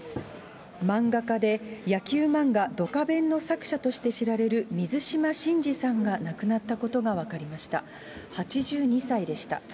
漫画家で、野球漫画、ドカベンの作者として知られる水島新司さんが亡くなったことが分かりました。